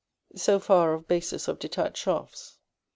So far of bases of detached shafts.